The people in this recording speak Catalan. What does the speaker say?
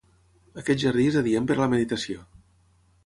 Aquest jardí és adient per a la meditació.